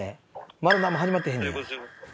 まだなんも始まってへんねや。